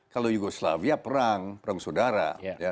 kalau yugoslavia perang perang saudara